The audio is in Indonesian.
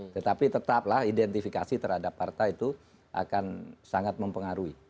tetapi tetaplah identifikasi terhadap partai itu akan sangat mempengaruhi